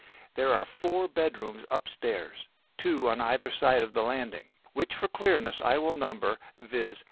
"There are four bedrooms upstairs, two on either side of the landing which for clearness I will number viz.